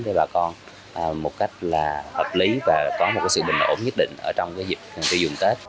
để bà con một cách hợp lý và có một sự bình ổn nhất định trong dịp tiêu dùng tết